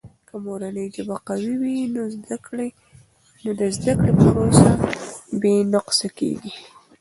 که مورنۍ ژبه قوي وي، نو د زده کړې پروسه بې نقصه کیږي.